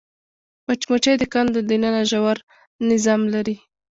مچمچۍ د کندو دننه ژور نظم لري